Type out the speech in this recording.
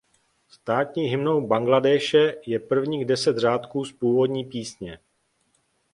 Státní hymnou Bangladéše je prvních deset řádků z původní písně.